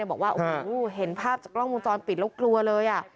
มันบอกว่าเห็นภาพจากกล้องมุมจรปิดแล้วกลัวเลย